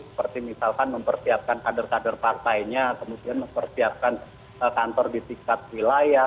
seperti misalkan mempersiapkan kader kader partainya kemudian mempersiapkan kantor di tingkat wilayah